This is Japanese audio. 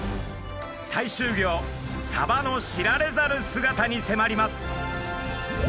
大衆魚サバの知られざる姿にせまります！